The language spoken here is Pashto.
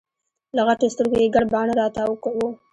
له غټو سترګو یي ګڼ باڼه راتاو وو